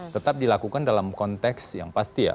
tetap dilakukan dalam konteks yang pasti ya